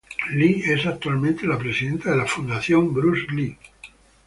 Lee es actualmente la presidenta de la Fundación Bruce Lee.